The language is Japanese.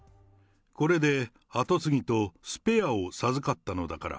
これで跡継ぎとスペアを授かったのだから。